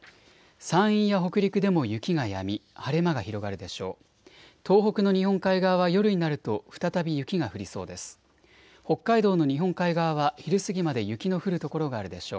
山陰や北陸でも雪がやみ晴れ間が広がるでしょう。